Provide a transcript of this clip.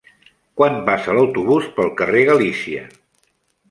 Quan passa l'autobús pel carrer Galícia?